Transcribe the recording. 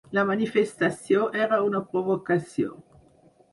La manifestació era una provocació.